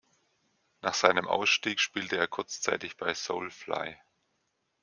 Nach seinem Ausstieg spielte er kurzzeitig bei Soulfly.